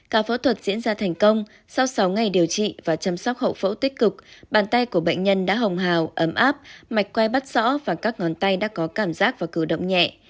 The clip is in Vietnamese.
cả phẫu thuật diễn ra thành công sau sáu ngày điều trị và chăm sóc hậu phẫu tích cực bàn tay của bệnh nhân đã hồng hào ấm áp mạch quay bắt rõ và các ngón tay đã có cảm giác và cử động nhẹ